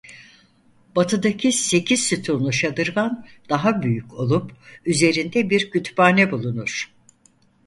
Batıdaki sekiz sütunlu şadırvan daha büyük olup üzerinde bir kütüphane bulunur.